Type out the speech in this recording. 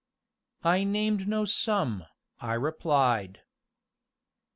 "I named no sum," I replied.